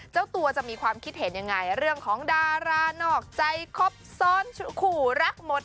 เจ้าตัวจะมีความคิดเห็นยังไงเรื่องของดารานอกใจครบซ้อนขู่รักหมด